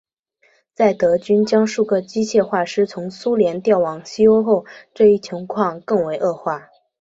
在德军将数个机械化师从苏联调往西欧后这一情况更为恶化。